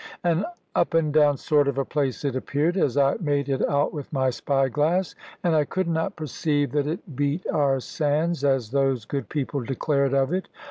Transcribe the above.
An up and down sort of a place it appeared, as I made it out with my spy glass; and I could not perceive that it beat our sands, as those good people declared of it.